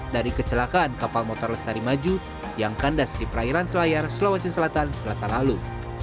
dari kecelakaan kapal motor lestari maju yang kandas di perairan selayar sulawesi selatan selasa lalu